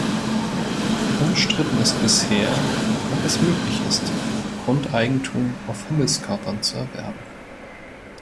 Umstritten ist bisher, ob es möglich ist, Grundeigentum auf Himmelskörpern zu erwerben.